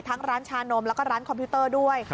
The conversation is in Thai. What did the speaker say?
ร้านชานมแล้วก็ร้านคอมพิวเตอร์ด้วย